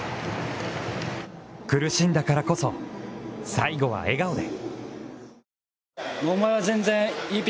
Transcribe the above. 苦しんだからこそ、最後は笑顔で。